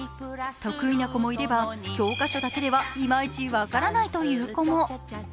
得意な子もいれば、教科書だけではいまいち分からないという子も。